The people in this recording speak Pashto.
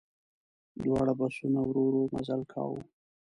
دواړو بسونو ورو ورو مزل کاوه.